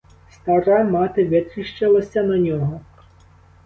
Стара мати витріщилася на нього.